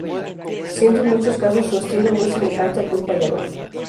Siendo en muchos casos su estilo muy semejante al de un payador.